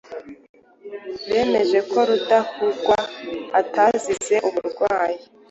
bemeje ko Rudahugwa atazize uburwayi.